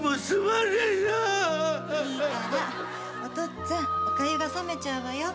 おとっつぁんおかゆが冷めちゃうわよ。